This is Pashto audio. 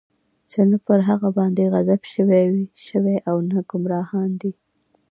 چې نه پر هغوى باندې غضب شوى او نه ګمراهان دی.